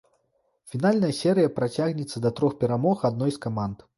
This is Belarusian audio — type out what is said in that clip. Фінальная серыя працягнецца да трох перамог адной з каманд.